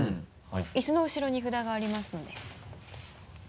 椅子の後ろに札がありますので。